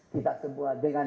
kita semua dengan